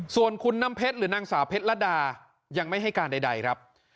ส่วนคุณน้ำเพชรหรือนางสาวเพชรดายังไม่ให้การใดครับ